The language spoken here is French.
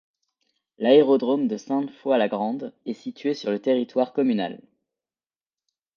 L'aérodrome de Sainte-Foy-la-Grande est situé sur le territoire communal.